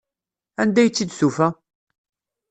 Anda ay tt-id-tufa?